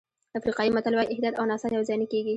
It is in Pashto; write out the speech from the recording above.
افریقایي متل وایي احتیاط او نڅا یوځای نه کېږي.